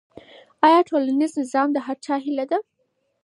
آیا ټولنیز نظم د هر چا هيله ده؟